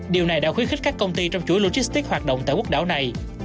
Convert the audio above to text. điều này đã khuyến khích các công ty trong chuỗi logistics hoạt động tại quốc đảo này